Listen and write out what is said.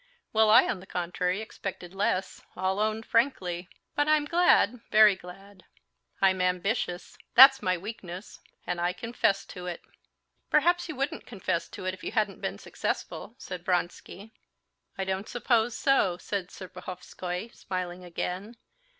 "Well, I on the contrary expected less—I'll own frankly. But I'm glad, very glad. I'm ambitious; that's my weakness, and I confess to it." "Perhaps you wouldn't confess to it if you hadn't been successful," said Vronsky. "I don't suppose so," said Serpuhovskoy, smiling again.